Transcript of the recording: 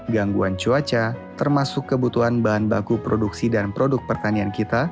gangguan cuaca termasuk kebutuhan bahan baku produksi dan produk pertanian kita